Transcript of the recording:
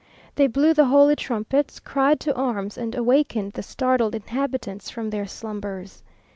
They blew the holy trumpets, cried to arms, and awakened the startled inhabitants from their slumbers.